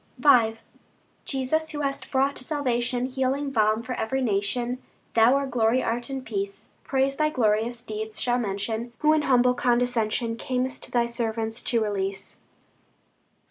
V Jesus, who hast brought salvation, Healing balm for every nation, Thou our glory art and peace. Praise Thy glorious deeds shall mention, Who in humble condescension, Cam'st Thy servants to release.